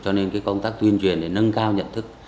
cho nên cái công tác tuyên truyền để nâng cao nhận thức